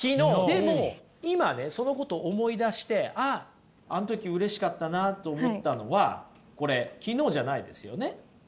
でも今ねそのこと思い出してあああん時うれしかったなと思ったのはこれ昨日じゃないですよね？